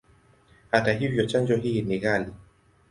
Hata hivyo, chanjo hii ni ghali.